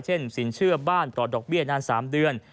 สินเชื่อบ้านปลอดดอกเบี้ยนาน๓เดือน